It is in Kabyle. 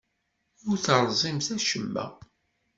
Ur terẓimt acemma.